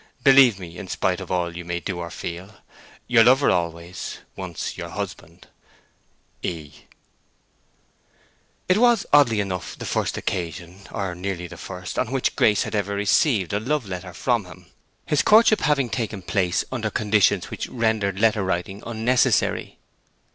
Believe me, in spite of all you may do or feel, Your lover always (once your husband), "E.F." It was, oddly enough, the first occasion, or nearly the first on which Grace had ever received a love letter from him, his courtship having taken place under conditions which rendered letter writing unnecessary.